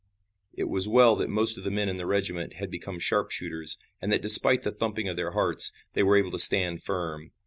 It was well that most of the men in the regiment had become sharpshooters, and that despite the thumping of their hearts, they were able to stand firm.